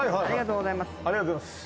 ありがとうございます。